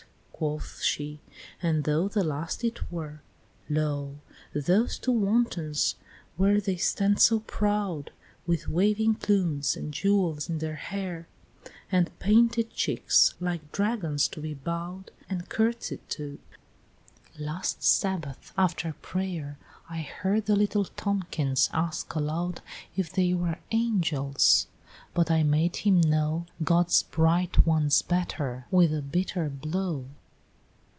quoth she, "and though the last it were Lo! those two wantons, where they stand so proud With waving plumes, and jewels in their hair, And painted cheeks, like Dagons to be bow'd And curtsey'd to! last Sabbath after pray'r, I heard the little Tomkins ask aloud If they were angels but I made him know God's bright ones better, with a bitter blow!"